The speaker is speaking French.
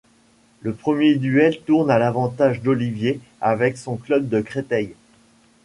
Le premier duel tourne à l'avantage d'Olivier avec son club de Créteil.